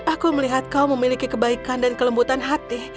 aku melihat kau memiliki kebaikan dan kelembutan hati